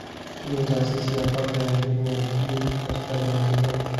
Hii ni taasisi ya kwanza ya elimu ya juu katika Zanzibar.